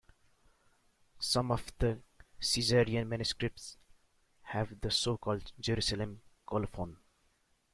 Some of the Caesarean manuscripts have the so-called Jerusalem Colophon.